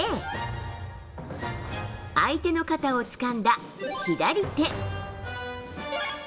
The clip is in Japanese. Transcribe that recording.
Ａ、相手の方をつかんだ左手。